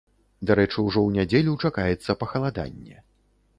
Дарэчы, ужо ў нядзелю чакаецца пахаладанне.